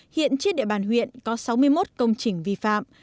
hiện trên địa bàn huyện có sáu mươi một công trình vi phạm